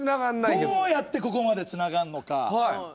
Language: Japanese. どうやってここまでつながんのか。